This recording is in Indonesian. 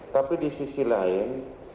tapi di sisi lain